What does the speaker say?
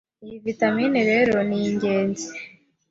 Iyi vitamini rero ni ingenzi